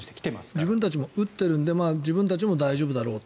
自分たちも打っているので自分たちは大丈夫だろうと。